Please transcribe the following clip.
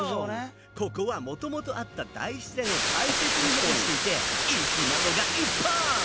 ここはもともとあった大自然を大切に保護していて生き物がいっぱい！